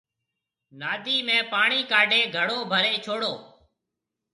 نادِي ۾ پاڻِي ڪاڍي گھڙو ڀرَي ڇوڙو